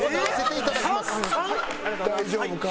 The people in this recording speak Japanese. ３？大丈夫か？